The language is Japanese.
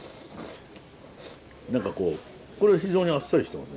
何かこうこれは非常にあっさりしてますね。